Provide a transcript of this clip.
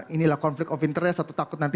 inilah konflik of interest satu takut nanti